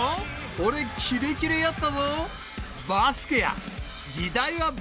俺キレキレやったぞー。